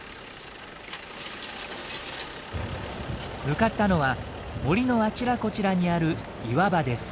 向かったのは森のあちらこちらにある岩場です。